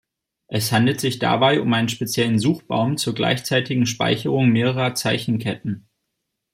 Es handelt sich dabei um einen speziellen Suchbaum zur gleichzeitigen Speicherung mehrerer Zeichenketten.